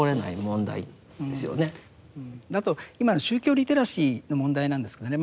あと今の宗教リテラシーの問題なんですけどね